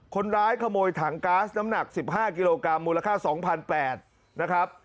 คนร้ายขโมยถังก๊าซน้ำหนัก๑๕กิโลกรัมมูลค่า๒๘๐๐นะครับ